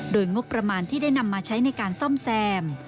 โดยงบประมาณที่ได้นำมาใช้ในการซ่อมแซม